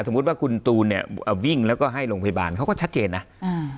ว่าคุณตูนเนี้ยอ่าวิ่งแล้วก็ให้โรงพยาบาลเขาก็ชัดเจนนะอ่า